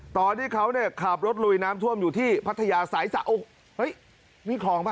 ตอนที่เขาขับรถลุยน้ำท่วมอยู่ที่พัทยาสาย๓โอ๊ะเห้ยมีคลองป่ะ